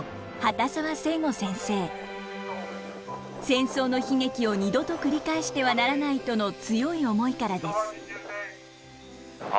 戦争の悲劇を二度と繰り返してはならないとの強い思いからです。